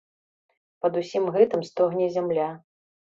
Пад усім гэтым стогне зямля.